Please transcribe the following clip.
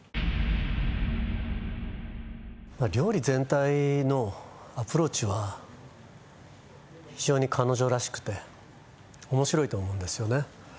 料理全体のアプローチは非常に彼女らしくて面白いと思うんですよね